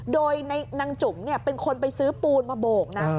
โดยนางจุ๋มเป็นคนไปซื้อปูนมาโบกนะ